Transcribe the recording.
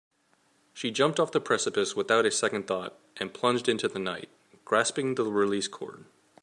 She jumped off the precipice without a second thought and plunged into the night, grasping the release cord.